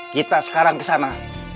kita sekarang kesana